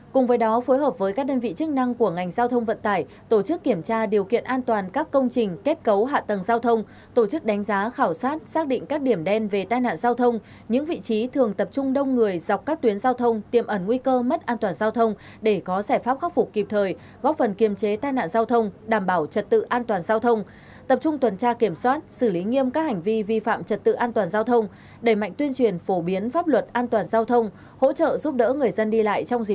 cùng với đó phối hợp với các đơn vị chức năng của ngành giao thông vận tải tổ chức kiểm tra điều kiện an toàn các công trình kết cấu hạ tầng giao thông tổ chức đánh giá khảo sát xác định các điểm đen về tai nạn giao thông những vị trí thường tập trung đông người dọc các tuyến giao thông tiêm ẩn nguy cơ mất an toàn giao thông để có giải pháp khắc phục kịp thời góp phần kiềm chế tai nạn giao thông đảm bảo trật tự an toàn giao thông tập trung tuần tra kiểm soát xử lý nghiêm các hành vi vi phạm trật tự an toàn giao